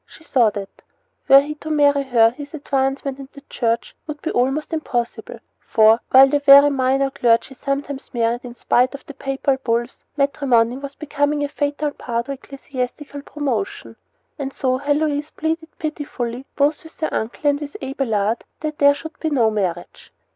She saw that, were he to marry her, his advancement in the Church would be almost impossible; for, while the very minor clergy sometimes married in spite of the papal bulls, matrimony was becoming a fatal bar to ecclesiastical promotion. And so Heloise pleaded pitifully, both with her uncle and with Abelard, that there should be no marriage.